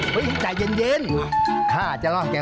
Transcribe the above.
แล้วเอ็งจะเป็นลูกเต้าเหล่าใคร